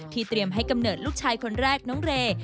เตรียมให้กำเนิดลูกชายคนแรกน้องเรย์